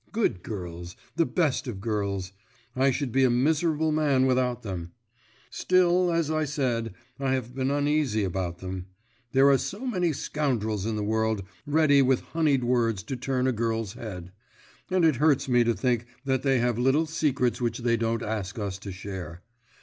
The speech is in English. Good girls, the best of girls; I should be a miserable man without them. Still, as I said, I have been uneasy about them: there are so many scoundrels in the world ready with honeyed words to turn a girl's head; and it hurts me to think that they have their little secrets which they don't ask us to share.